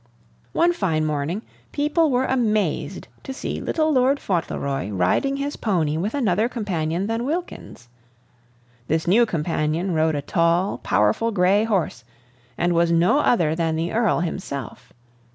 One fine morning, people were amazed to see little Lord Fauntleroy riding his pony with another companion than Wilkins. This new companion rode a tall, powerful gray horse, and was no other than the Earl himself.